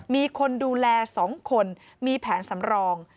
มีคนดูแล๒คนมีแผนสำรอง